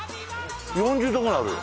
４０度ぐらいあるよ。